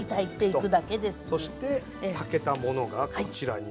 そして炊けたものがこちらに。